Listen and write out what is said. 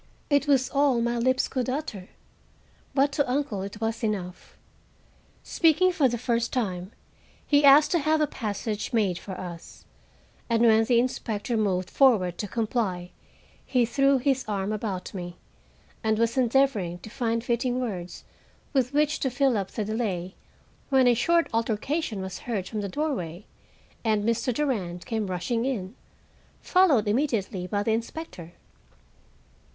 It was all my lips could utter, but to uncle it was enough. Speaking for the first time, he asked to have a passage made for us, and when the inspector moved forward to comply, he threw his arm about me, and was endeavoring to find fitting words with which to fill up the delay, when a short altercation was heard from the doorway, and Mr. Durand came rushing in, followed immediately by the inspector.